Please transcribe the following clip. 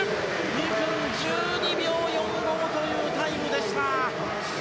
２分１２秒４５というタイムでした。